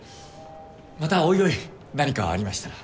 また追い追い何かありましたら。